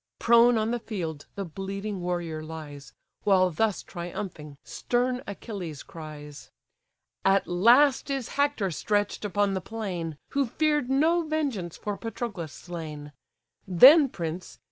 Prone on the field the bleeding warrior lies, While, thus triumphing, stern Achilles cries: "At last is Hector stretch'd upon the plain, Who fear'd no vengeance for Patroclus slain: Then, prince!